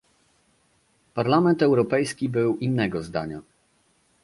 Parlament Europejski był innego zdania